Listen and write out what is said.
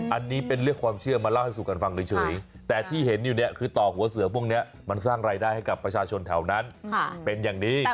อันนี้เป็นเรื่องความเชื่อมาร่างที่สุขกันฟังเลยเฉย